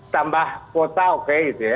tambah kuota oke gitu ya